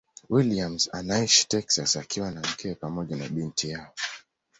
Williams anaishi Texas akiwa na mkewe pamoja na binti yao.